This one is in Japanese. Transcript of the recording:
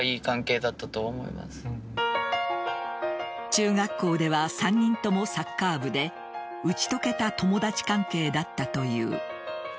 中学校では３人ともサッカー部で打ち解けた友達関係だったという。